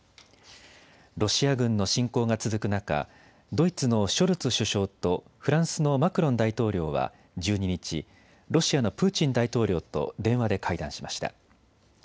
ロシア軍の侵攻が続く中、ドイツのショルツ首相とフランスのマクロン大統領は１２日、ロシアのプーチン大統領と電話で会談しました。